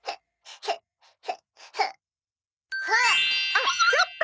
あっちょっと！